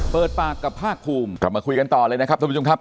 เปิดปากกับภาคภูมิกลับมาคุยกันต่อเลยนะครับท่านผู้ชมครับ